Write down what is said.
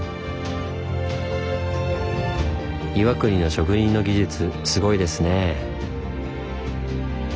岩国の職人の技術すごいですねぇ。